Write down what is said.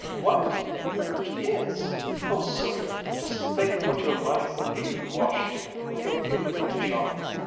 What do you think marriage is? Oh, Sylvia, just think what your life would be in Washington with your beauty and charm!"